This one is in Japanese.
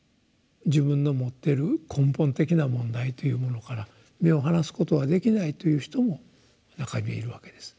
自分の持ってる根本的な問題というものから目を離すことはできないという人も中にはいるわけです。